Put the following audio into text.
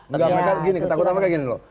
enggak mereka gini ketakutan mereka gini loh